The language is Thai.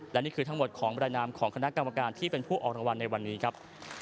และนี่คือทั้งหมดของบรรยายนามของคณะกรรมการที่เป็นผู้ออกรางวัลในวันนี้ครับ